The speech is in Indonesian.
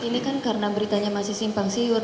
ini kan karena beritanya masih simpang siur